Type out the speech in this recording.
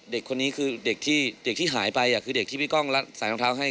เด็กคนนี้คือเด็กที่เด็กที่หายไปคือเด็กที่พี่ก้องรัดใส่รองเท้าให้